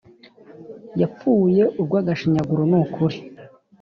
Yapfuye urwo agashinyaguro nukuri